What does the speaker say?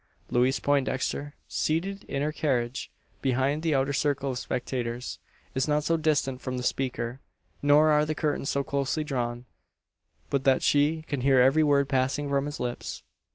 Louise Poindexter, seated in her carriage behind the outer circle of spectators, is not so distant from the speaker, nor are the curtains so closely drawn, but that she can hear every word passing from his lips.